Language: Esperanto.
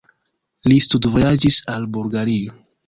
Li studvojaĝis al Bulgario.